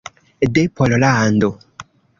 De Pollando.